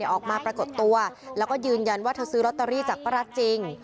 ออกมาปรากฏตัวแล้วก็ยืนยันว่าเธอซื้อลอตเตอรี่จากป้ารัฐจริง